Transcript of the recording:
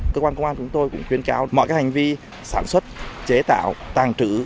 cơ quan công an chúng tôi cũng khuyên cáo mọi hành vi sản xuất chế tạo tàng trữ